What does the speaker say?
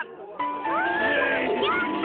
わあやった！